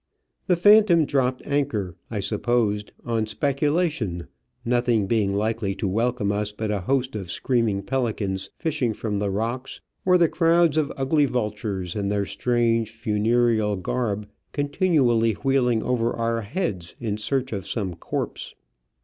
The Phantom dropped anchor, I supposed, on speculation, nothing being likely to welcome us but a host of screaming pelicans fishing from the rocks or the crowds of ugly vultures in their strange funereal garb continually wheeling over our heads in search of some corpse.